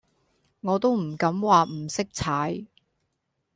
我都唔敢話唔識踩